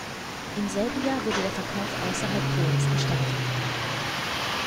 Im selben Jahr wurde der Verkauf außerhalb Polens gestartet.